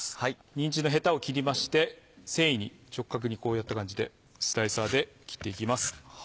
にんじんのヘタを切りまして繊維に直角にこういった感じでスライサーで切っていきます。